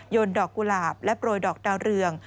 ดอกกุหลาบและโปรยดอกดาวเรือง